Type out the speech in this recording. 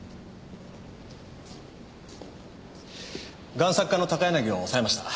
贋作家の高柳を押さえました。